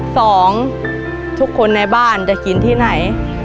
สองคนในบ้านจะกินที่ไหน